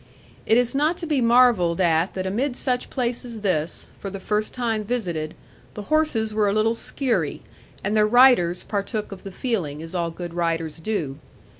It is not to be marvelled at that amid such place as this, for the first time visited, the horses were a little skeary; and their riders partook of the feeling, as all good riders do.